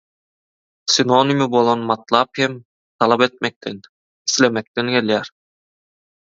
Sinonimi bolan matlap hem talap etmekden, islemekden gelýär.